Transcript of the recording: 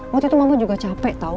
waktu itu mama juga capek tau